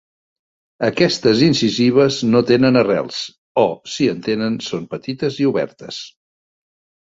Aquestes incisives no tenen arrels o, si en tenen, són petites i obertes.